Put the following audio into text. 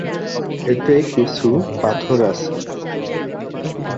এতে কিছু পাথর আছে।